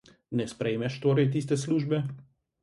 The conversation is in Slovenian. Ne sprejmeš torej tiste službe?